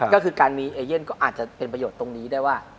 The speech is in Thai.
ก็คือการมีเอเย่นก็อาจจะเป็นประโยชน์ตรงนี้ได้ว่า